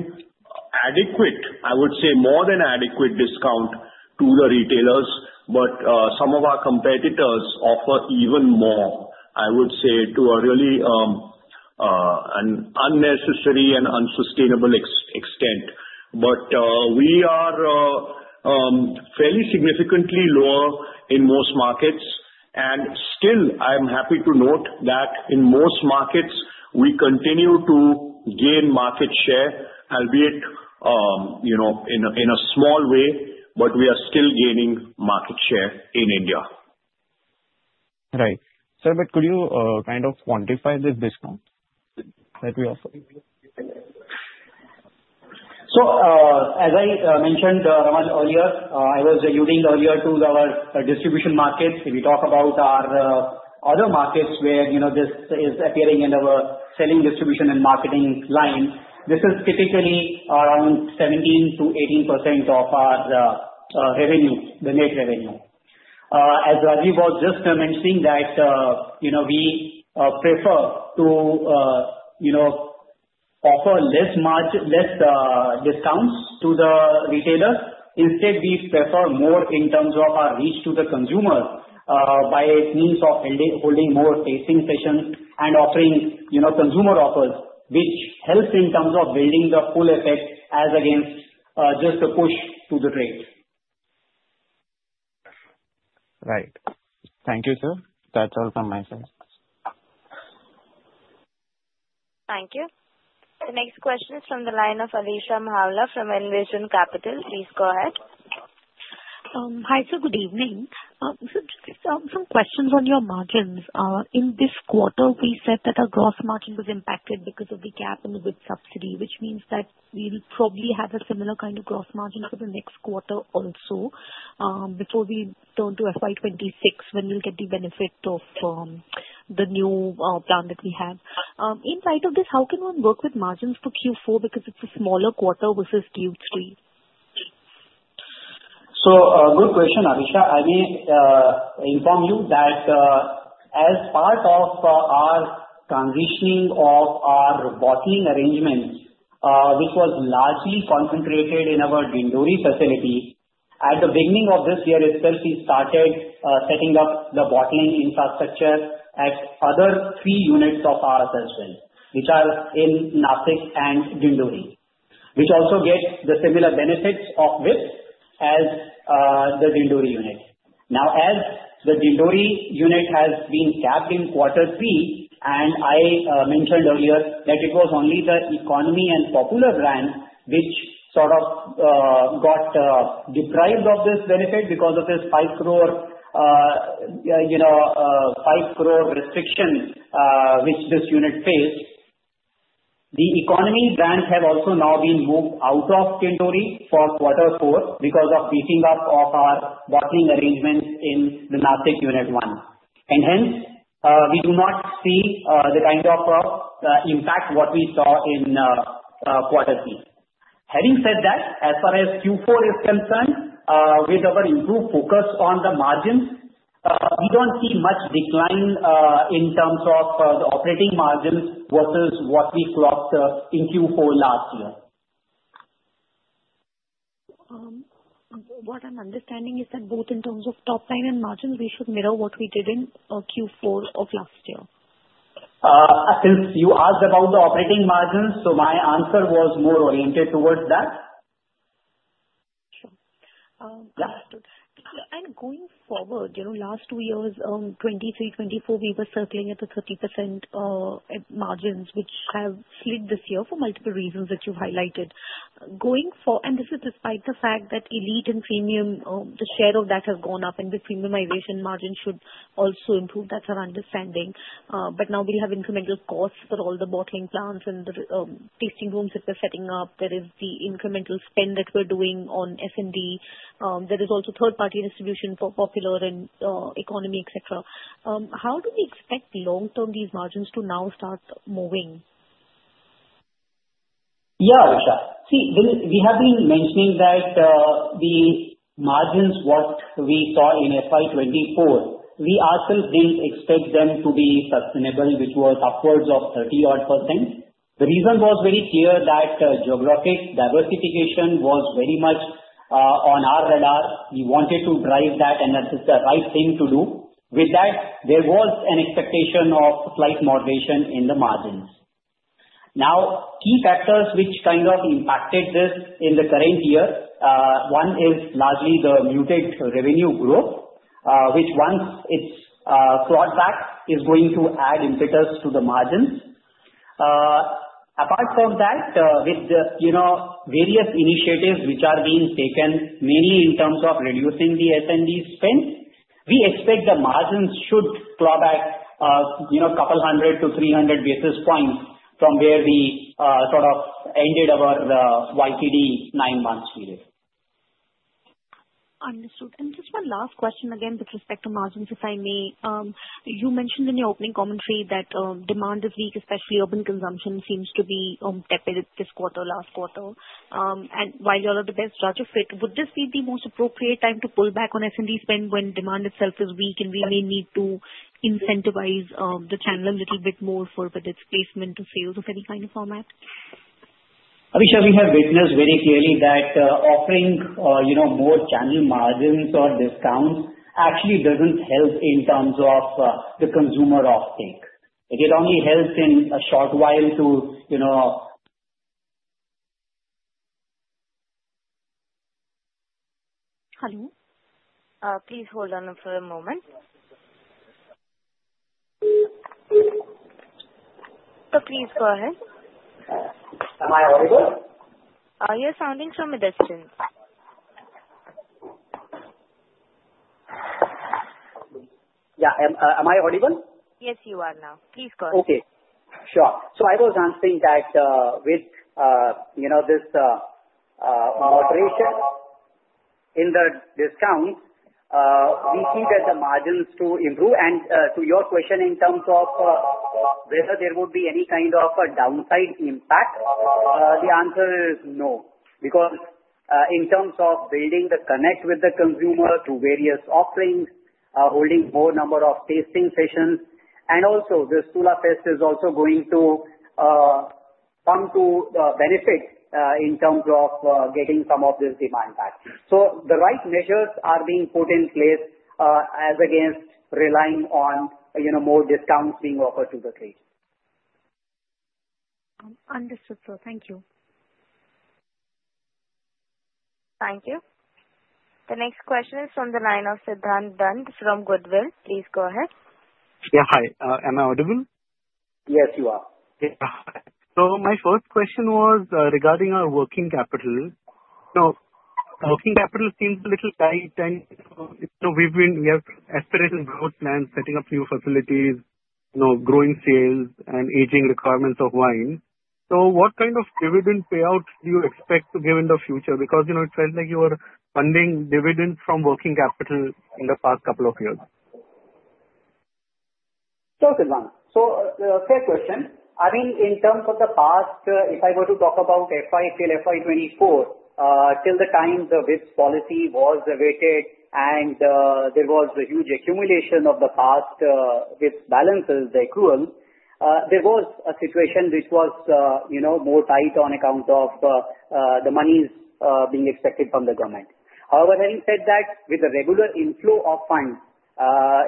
adequate, I would say, more than adequate discount to the retailers, but some of our competitors offer even more, I would say, to a really unnecessary and unsustainable extent. But we are fairly significantly lower in most markets. And still, I'm happy to note that in most markets, we continue to gain market share, albeit in a small way, but we are still gaining market share in India. Right. Sir, but could you kind of quantify this discount that we offer? So as I mentioned, Naman, earlier, I was alluding earlier to our distribution markets. If we talk about our other markets where this is appearing in our selling, distribution, and marketing line, this is typically around 17%-18% of our revenue, the net revenue. As Rajeev was just mentioning, that we prefer to offer less discounts to the retailers. Instead, we prefer more in terms of our reach to the consumer by means of holding more tasting sessions and offering consumer offers, which helps in terms of building the full effect as against just the push to the trade. Right. Thank you, sir. That's all from my side. Thank you. The next question is from the line of Alisha Mahawla from Envision Capital. Please go ahead. Hi, sir. Good evening. Some questions on your margins. In this quarter, we said that our gross margin was impacted because of the CapEx and the good subsidy, which means that we'll probably have a similar kind of gross margin for the next quarter also before we turn to FY26 when we'll get the benefit of the new plan that we have. In light of this, how can one work with margins for Q4 because it's a smaller quarter versus Q3? So good question, Alisha. I may inform you that as part of our transitioning of our bottling arrangements, which was largely concentrated in our Dindori facility, at the beginning of this year itself, we started setting up the bottling infrastructure at other three units of ours as well, which are in Nashik and Dindori, which also get the similar benefits with as the Dindori unit. Now, as the Dindori unit has been capped in quarter three, and I mentioned earlier that it was only the economy and popular brands which sort of got deprived of this benefit because of this 5 crore restriction which this unit faced, the economy brands have also now been moved out of Dindori for quarter four because of beefing up of our bottling arrangements in the Nashik unit one. And hence, we do not see the kind of impact what we saw in quarter three. Having said that, as far as Q4 is concerned, with our improved focus on the margins, we don't see much decline in terms of the operating margins versus what we clocked in Q4 last year. What I'm understanding is that both in terms of top line and margins, we should mirror what we did in Q4 of last year. Since you asked about the operating margins, so my answer was more oriented towards that. Sure. Understood. Going forward, last two years, 2023, 2024, we were circling at the 30% margins, which have slid this year for multiple reasons that you've highlighted. This is despite the fact that elite and premium, the share of that has gone up, and the premiumization margin should also improve. That's our understanding. Now we have incremental costs for all the bottling plants and the tasting rooms that we're setting up. There is the incremental spend that we're doing on S&D. There is also third-party distribution for popular and economy, etc. How do we expect long-term these margins to now start moving? Yeah, Alisha. See, we have been mentioning that the margins, what we saw in FY2024, we ourselves didn't expect them to be sustainable, which was upwards of 30%-odd. The reason was very clear that geographic diversification was very much on our radar. We wanted to drive that, and that is the right thing to do. With that, there was an expectation of slight moderation in the margins. Now, key factors which kind of impacted this in the current year, one is largely the muted revenue growth, which once it's clawed back, is going to add impetus to the margins. Apart from that, with various initiatives which are being taken mainly in terms of reducing the S&D spend, we expect the margins should claw back 200-300 basis points from where we sort of ended our YTD nine month period. Understood. And just one last question again with respect to margins, if I may. You mentioned in your opening commentary that demand is weak, especially urban consumption seems to be tepid this quarter, last quarter. And while you're not the best judge of it, would this be the most appropriate time to pull back on S&D spend when demand itself is weak and we may need to incentivize the channel a little bit more for whether it's placement to sales of any kind of format? Alisha, we have witnessed very clearly that offering more channel margins or discounts actually doesn't help in terms of the consumer offtake. It only helps in a short while to. Hello? Please hold on for a moment. Please go ahead. Am I audible? You're sounding from a distance. Yeah. Am I audible? Yes, you are now. Please go ahead. Okay. Sure. So I was answering that with this moderation in the discounts, we see that the margins do improve. And to your question in terms of whether there would be any kind of downside impact, the answer is no because in terms of building the connect with the consumer through various offerings, holding more number of tasting sessions, and also, this SulaFest is also going to come to benefit in terms of getting some of this demand back. So the right measures are being put in place as against relying on more discounts being offered to the trade. Understood, sir. Thank you. Thank you. The next question is from the line of Siddhant Dand from Goodwill. Please go ahead. Yeah. Hi. Am I audible? Yes, you are. So my first question was regarding our working capital. Now, working capital seems a little tight, and we have aspirational growth plans, setting up new facilities, growing sales, and aging requirements of wine. So what kind of dividend payout do you expect to give in the future? Because it felt like you were funding dividends from working capital in the past couple of years. Sure, Siddhant. So fair question. I mean, in terms of the past, if I were to talk about FY till FY24, till the time the WIPS policy was evaded and there was a huge accumulation of the past WIPS balances, the accruals, there was a situation which was more tight on account of the monies being expected from the government. However, having said that, with the regular inflow of funds,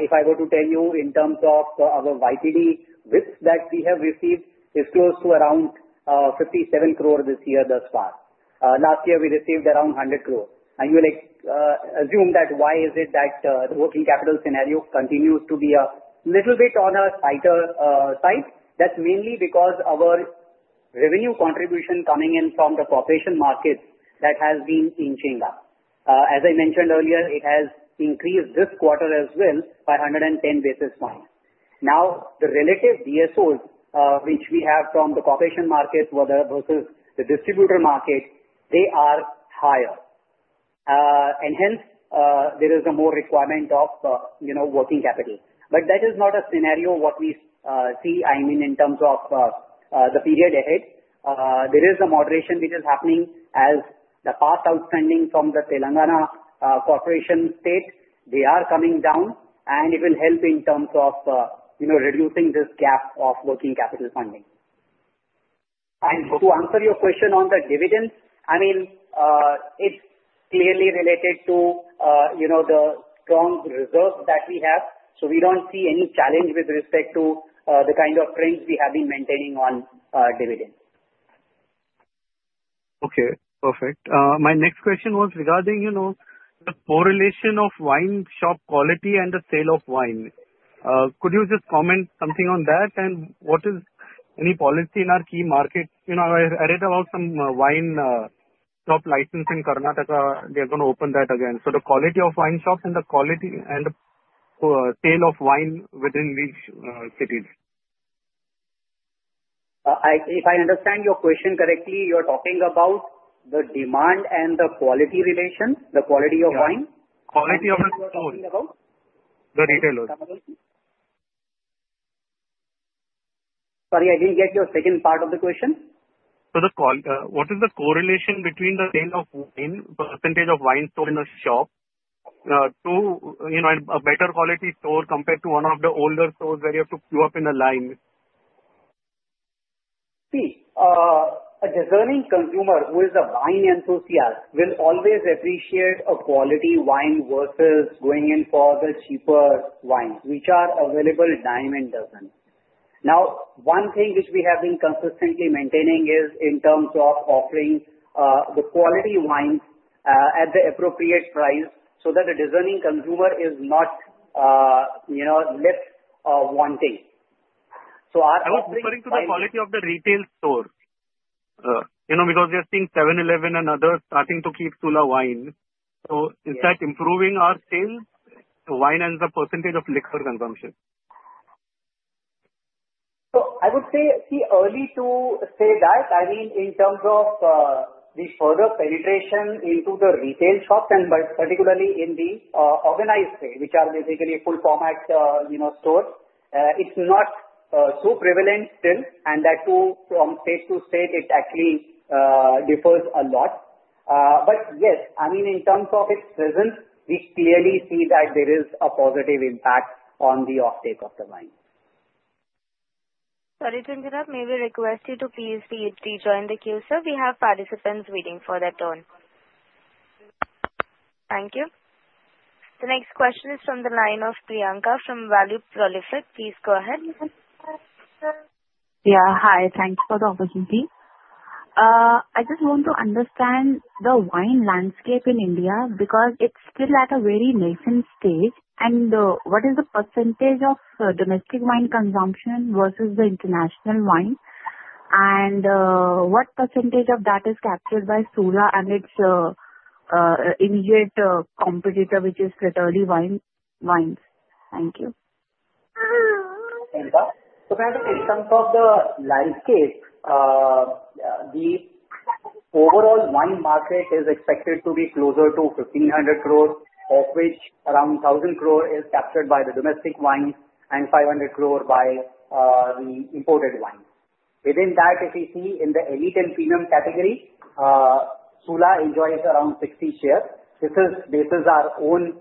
if I were to tell you in terms of our YTD WIPS that we have received, it's close to around 57 crore this year thus far. Last year, we received around 100 crore. And you assume that why is it that the working capital scenario continues to be a little bit on a tighter side? That's mainly because our revenue contribution coming in from the corporation markets that has been inching up. As I mentioned earlier, it has increased this quarter as well by 110 basis points. Now, the relative DSOs, which we have from the corporation markets versus the distributor market, they are higher. And hence, there is a more requirement of working capital. But that is not a scenario what we see, I mean, in terms of the period ahead. There is a moderation which is happening as the past outstanding from the Telangana Corporation state, they are coming down, and it will help in terms of reducing this gap of working capital funding. To answer your question on the dividends, I mean, it's clearly related to the strong reserve that we have. We don't see any challenge with respect to the kind of trends we have been maintaining on dividends. Okay. Perfect. My next question was regarding the correlation of wine shop quality and the sale of wine. Could you just comment something on that, and what is any policy in our key markets? I read about some wine shop license in Karnataka. They're going to open that again. So the quality of wine shops and the quality and the sale of wine within these cities. If I understand your question correctly, you're talking about the demand and the quality relation, the quality of wine? Yeah. Quality of the store. What are you talking about? The retailers. Sorry. I didn't get your second part of the question. What is the correlation between the percentage of wine stored in a shop to a better quality store compared to one of the older stores where you have to queue up in a line? See, a discerning consumer who is a wine enthusiast will always appreciate a quality wine versus going in for the cheaper wines, which are available by the dozen. Now, one thing which we have been consistently maintaining is in terms of offering the quality wines at the appropriate price so that the discerning consumer is not left wanting. So our pricing. I was referring to the quality of the retail store because we are seeing 7-Eleven and others starting to keep Sula wines. So is that improving our sales, wine, and the percentage of liquor consumption? I would say, see, early to say that, I mean, in terms of the further penetration into the retail shops and particularly in the organized trade, which are basically full-format stores, it's not so prevalent still. That too, from state to state, it actually differs a lot. Yes, I mean, in terms of its presence, we clearly see that there is a positive impact on the offtake of the wine. Sorry, Siddhant. May we request you to please rejoin the queue, sir? We have participants waiting for their turn. Thank you. The next question is from the line of Priyanka from Value Prolific. Please go ahead. Yeah. Hi. Thanks for the opportunity. I just want to understand the wine landscape in India because it's still at a very nascent stage. What is the percentage of domestic wine consumption versus the international wine? What percentage of that is captured by Sula and its immediate competitor, which is Fratelli Wines? Thank you. Priyanka, so Priyanka, in terms of the landscape, the overall wine market is expected to be closer to 1,500 crore, of which around 1,000 crore is captured by the domestic wines and 500 crore by the imported wines. Within that, if you see in the elite and premium category, Sula enjoys around 60 shares. This is based on our own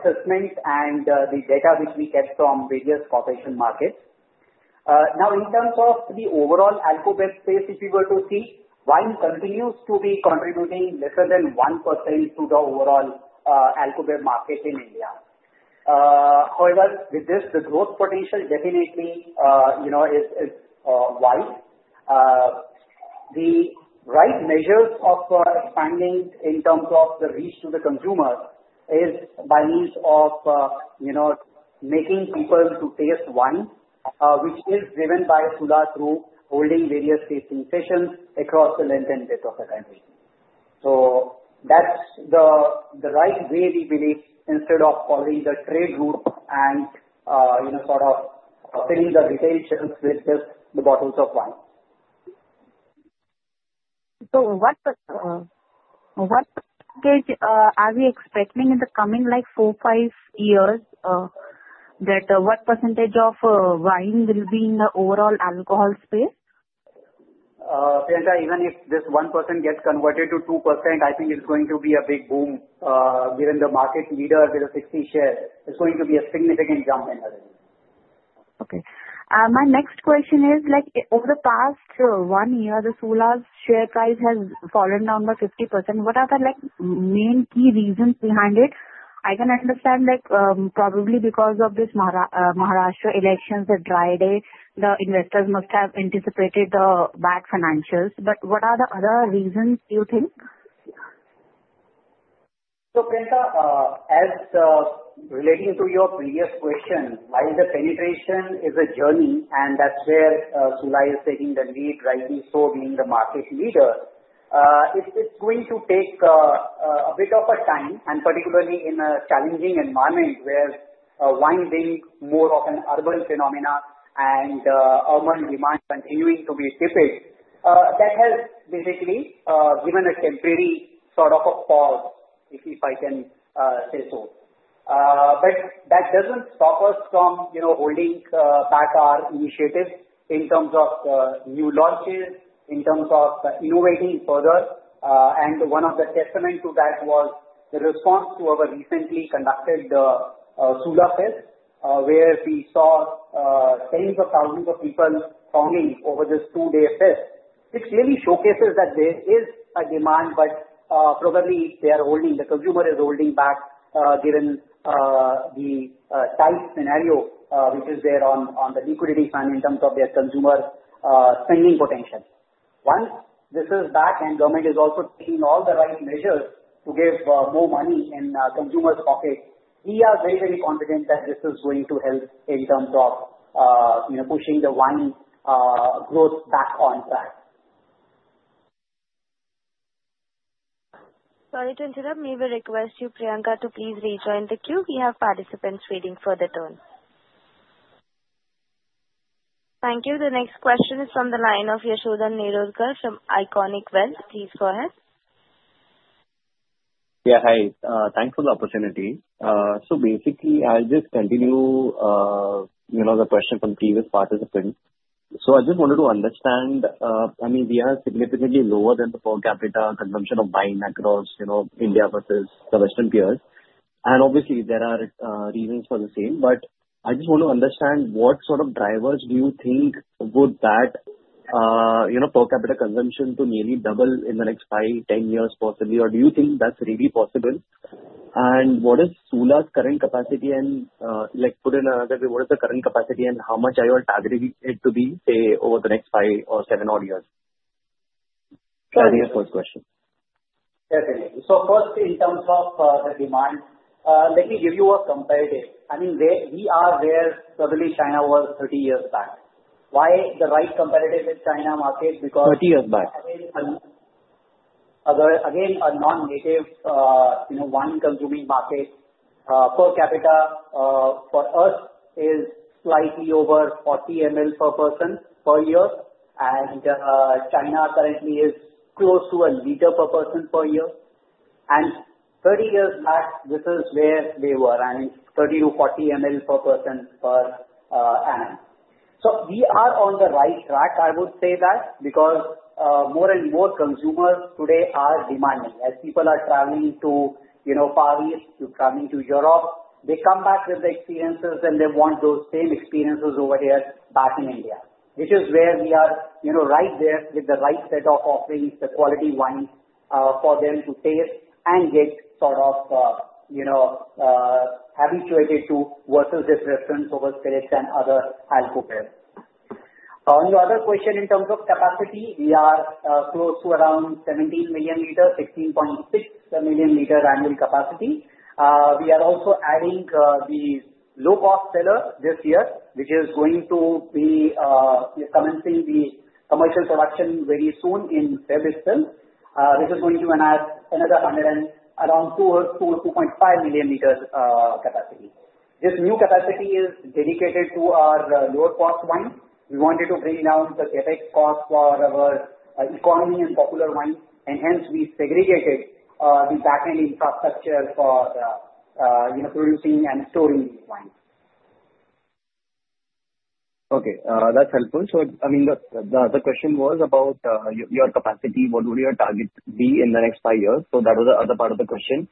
assessment and the data which we get from various corporation markets. Now, in terms of the overall alcohol space, if you were to see, wine continues to be contributing lesser than 1% to the overall alcohol market in India. However, with this, the growth potential definitely is wide. The right measures of expanding in terms of the reach to the consumer is by means of making people to taste wine, which is driven by Sula through holding various tasting sessions across the length and width of the country. So that's the right way, we believe, instead of following the trade route and sort of filling the retail shelves with just the bottles of wine. What percentage are we expecting in the coming four-five years that what percentage of wine will be in the overall alcohol space? Priyanka, even if this 1% gets converted to 2%, I think it's going to be a big boom given the market leader with the 60 shares. It's going to be a significant jump in the rate. Okay. My next question is, over the past one year, Sula's share price has fallen down by 50%. What are the main key reasons behind it? I can understand probably because of this Maharashtra elections that dried away. The investors must have anticipated the bad financials. But what are the other reasons, do you think? So Priyanka, relating to your previous question, while the penetration is a journey and that's where Sula is taking the lead, rightly so being the market leader, it's going to take a bit of a time, and particularly in a challenging environment where wine being more of an urban phenomena and urban demand continuing to be tepid, that has basically given a temporary sort of a pause, if I can say so. But that doesn't stop us from holding back our initiatives in terms of new launches, in terms of innovating further. And one of the testaments to that was the response to our recently conducted SulaFest where we saw tens of thousands of people thronging over this two-day fest. It clearly showcases that there is a demand, but probably they are holding the consumer is holding back given the tight scenario which is there on the liquidity fund in terms of their consumer spending potential. Once this is back and government is also taking all the right measures to give more money in consumers' pockets, we are very, very confident that this is going to help in terms of pushing the wine growth back on track. Sorry to interrupt. May we request you, Priyanka, to please rejoin the queue? We have participants waiting for their turn. Thank you. The next question is from the line of Yashodhan Nerurkar from Ionic Wealth. Please go ahead. Yeah. Hi. Thanks for the opportunity. So basically, I'll just continue the question from the previous participant. So I just wanted to understand, I mean, we are significantly lower than the per capita consumption of wine across India versus the Western peers. And obviously, there are reasons for the same. But I just want to understand what sort of drivers do you think would that per capita consumption to nearly double in the next five, 10 years, possibly? Or do you think that's really possible? And what is Sula's current capacity? And put in another way, what is the current capacity and how much are you all targeting it to be, say, over the next five or seven-odd years? That is your first question. Definitely. So first, in terms of the demand, let me give you a comparative. I mean, we are where probably China was 30 years back. Why the right comparative with China market because. 30 years back? Again, a non-native wine-consuming market, per capita for us is slightly over 40 ml per person per year. And China currently is close to 1 L per person per year. And 30 years back, this is where they were, I mean, 30-40 ml per person per annum. So we are on the right track, I would say that, because more and more consumers today are demanding. As people are traveling to Paris, traveling to Europe, they come back with the experiences, and they want those same experiences over here back in India, which is where we are right there with the right set of offerings, the quality wines for them to taste and get sort of habituated to versus their preference over spirits and other alcohols. On the other question, in terms of capacity, we are close to around 17 million liters, 16.6 million liters annual capacity. We are also adding the low-cost seller this year, which is going to be commencing the commercial production very soon in February still, which is going to add another around 2.5 million liters capacity. This new capacity is dedicated to our lower-cost wines. We wanted to bring down the CapEx cost for our economy and popular wines. Hence, we segregated the back-end infrastructure for producing and storing these wines. Okay. That's helpful. So I mean, the other question was about your capacity. What would your target be in the next five years? So that was the other part of the question.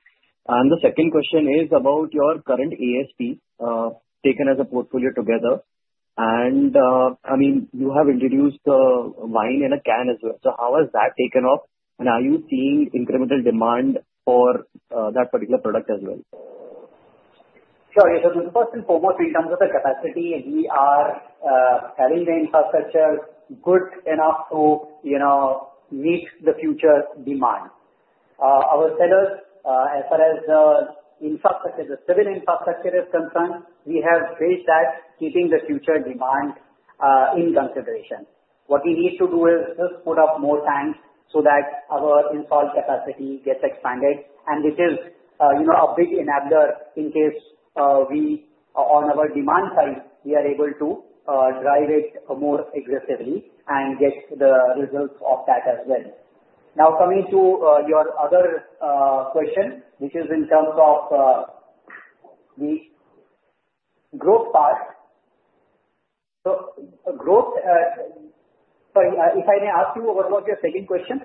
And the second question is about your current ASP taken as a portfolio together. And I mean, you have introduced wine in a can as well. So how has that taken off? And are you seeing incremental demand for that particular product as well? Sure. Yes, sir. So first and foremost, in terms of the capacity, we are having the infrastructure good enough to meet the future demand. Our cellars, as far as the civil infrastructure is concerned, we have based that, keeping the future demand in consideration. What we need to do is just put up more tanks so that our installed capacity gets expanded. And this is a big enabler in case we are on our demand side, we are able to drive it more aggressively and get the results of that as well. Now, coming to your other question, which is in terms of the growth part, so growth—sorry, if I may ask you, what was your second question?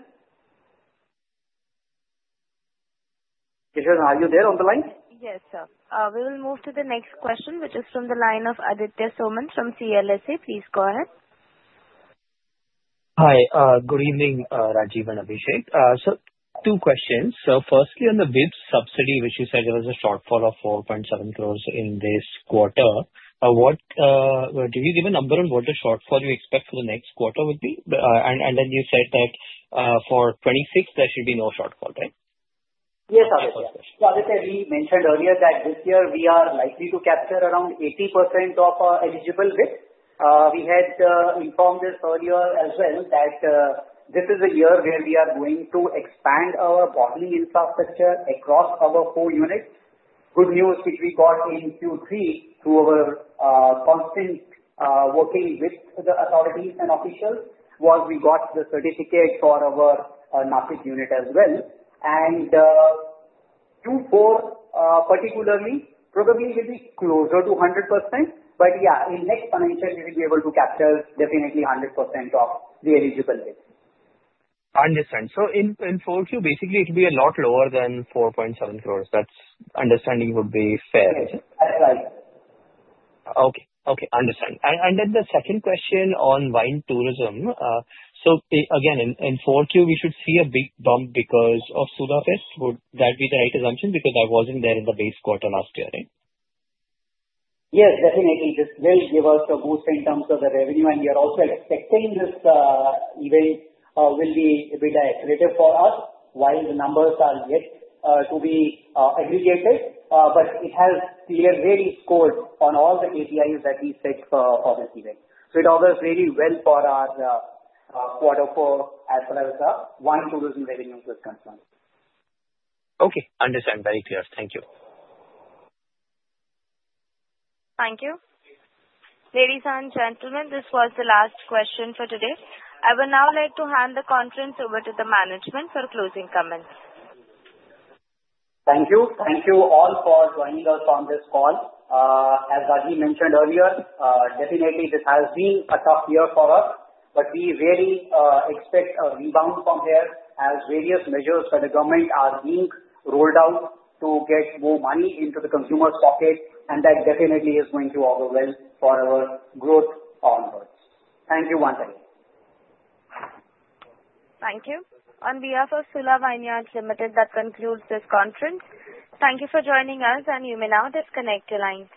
Yashodhan, are you there on the line? Yes, sir. We will move to the next question, which is from the line of Aditya Soman from CLSA. Please go ahead. Hi. Good evening, Rajeev and Abhishek. Two questions. Firstly, on the WIPS subsidy, which you said there was a shortfall of 4.7 crores in this quarter, did you give a number on what the shortfall you expect for the next quarter would be? And then you said that for 2026, there should be no shortfall, right? Yes, Aditya. So Aditya, we mentioned earlier that this year, we are likely to capture around 80% of our eligible WIPS. We had informed this earlier as well that this is a year where we are going to expand our bottling infrastructure across our four units. Good news, which we got in Q3 through our constant working with the authorities and officials, was we got the certificate for our NaBFID unit as well. And Q4, particularly, probably will be closer to 100%. But yeah, in next financial, we will be able to capture definitely 100% of the eligible WIPS. Understand. So in 4Q, basically, it will be a lot lower than 4.7 crores. That understanding would be fair, is it? Yes. That's right. Okay. Okay. Understand. And then the second question on wine tourism. So again, in 4Q, we should see a big bump because of SulaFest. Would that be the right assumption? Because that wasn't there in the base quarter last year, right? Yes, definitely. This will give us a boost in terms of the revenue. We are also expecting this event will be a bit accretive for us while the numbers are yet to be aggregated. It has clearly scored on all the KPIs that we set for this event. It offers really well for our quarter four as far as wine tourism revenues are concerned. Okay. Understand. Very clear. Thank you. Thank you. Ladies and gentlemen, this was the last question for today. I would now like to hand the conference over to the management for closing comments. Thank you. Thank you all for joining us on this call. As Rajeev mentioned earlier, definitely, this has been a tough year for us. But we really expect a rebound from here as various measures for the government are being rolled out to get more money into the consumer's pocket. And that definitely is going to offer well for our growth onwards. Thank you once again. Thank you. On behalf of Sula Vineyards Limited, that concludes this conference. Thank you for joining us. You may now disconnect your line.